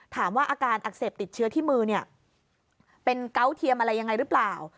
ถามว่าอาการอักเสบติดเชื้อที่มือเนี่ยเป็นเกาเทียมอะไรยังไงหรือเปล่า